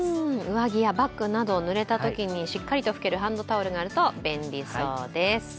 上着やバッグなどぬれたときにしっかり拭けるハンドタオルがあると便利そうです。